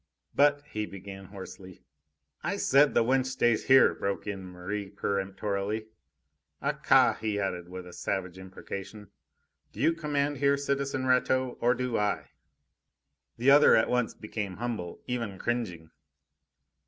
"But " he began hoarsely. "I said, the wench stays here!" broke in Merri peremptorily. "Ah ca!" he added, with a savage imprecation. "Do you command here, citizen Rateau, or do I?" The other at once became humble, even cringing.